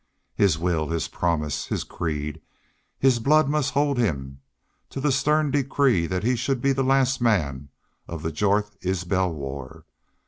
His will, his promise, his creed, his blood must hold him to the stem decree that he should be the last man of the Jorth Isbel war.